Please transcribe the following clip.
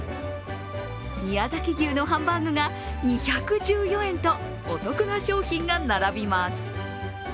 宮崎牛のハンバーグが２１４円とお得な商品が並びます。